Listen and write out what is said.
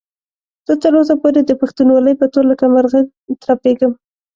زه تر اوسه پورې د پښتونولۍ په تور لکه مرغه ترپېږم.